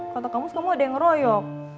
kata kang mus kamu ada yang ngeroyok